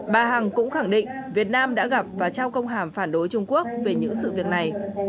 bà hằng cũng khẳng định việt nam đã gặp và trao công hàm phản đối trung quốc về những sự việc này